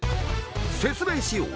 説明しよう！